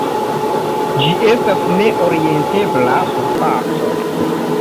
Ĝi estas ne-orientebla surfaco.